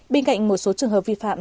bên cạnh một số trường hợp vi phạm